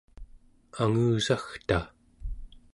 angusagta